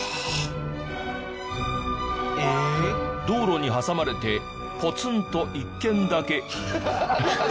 道路に挟まれてポツンと一軒だけ。